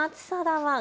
ワン。